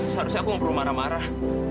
seharusnya aku ngobrol marah marah